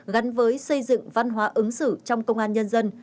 gắn với xây dựng văn hóa ứng xử trong công an nhân dân